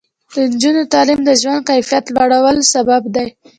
د نجونو تعلیم د ژوند کیفیت لوړولو سبب دی.